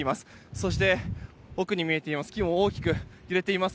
そして、奥に見えています